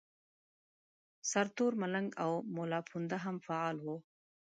سرتور ملنګ او ملاپوونده هم فعال وو.